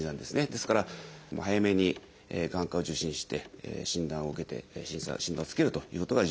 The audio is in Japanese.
ですから早めに眼科を受診して診断を受けて診断をつけるということが重要かと思います。